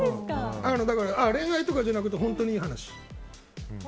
恋愛とかじゃなくて本当にいい話。